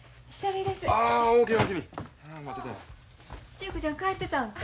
純子ちゃん帰ってたんか。